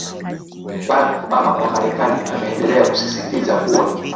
barack obama wa marekani ameendelea kusisitiza kuwa